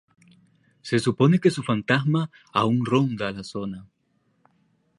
Se supone que su fantasma aún ronda la zona.